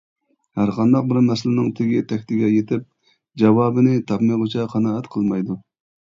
ھەرقانداق بىر مەسىلىنىڭ تېگى-تەكتىگە يىتىپ جاۋابىنى تاپمىغۇچە قانائەت قىلمايدۇ.